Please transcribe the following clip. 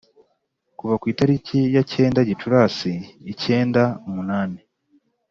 kuva ku itariki ya icyenda Gicurasi icyenda umunani,